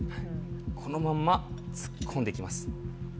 このまんま突っ込んで行きます。